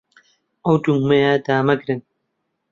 ئەو دوگمەیە دامەگرن.